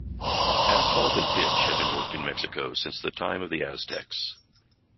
Asphalt and pitch had been worked in Mexico since the time of the Aztecs.